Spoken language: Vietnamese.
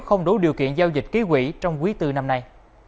không đủ điều kiện giao dịch ký quỷ trong quý tư năm nay